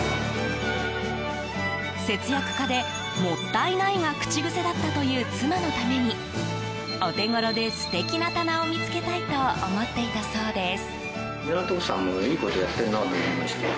節約家で、もったいないが口癖だったという妻のためにお手頃で素敵な棚を見つけたいと思っていたそうです。